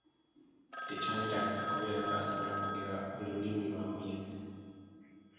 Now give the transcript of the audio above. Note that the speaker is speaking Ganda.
Tekimwetaagisa kubeera ng’asobola okwogera buli Lulimi lwa muyizi.